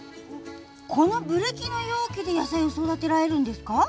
このブリキの容器で野菜を育てられるんですか？